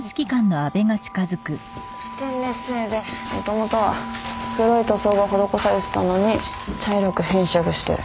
ステンレス製でもともとは黒い塗装が施されてたのに茶色く変色してる。